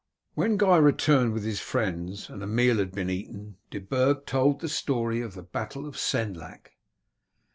When Guy returned with his friends and a meal had been eaten, De Burg told the story of the battle of Senlac.